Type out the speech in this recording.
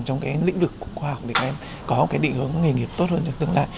trong cái lĩnh vực khoa học để các em có cái định hướng nghề nghiệp tốt hơn cho tương lai